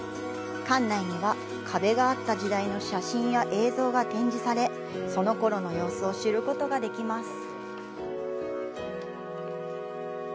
館内には、壁があった時代の写真や映像が展示されそのころの様子を知ることができます。